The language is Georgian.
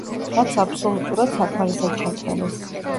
რაც აბსოლუტურად საკმარისად ჩათვალეს.